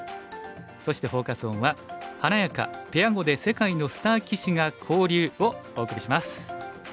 そしてフォーカス・オンは「華やか！ペア碁で世界のスター棋士が交流」をお送りします。